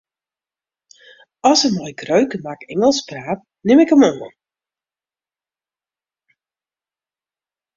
As er mei grut gemak Ingelsk praat, nim ik him oan.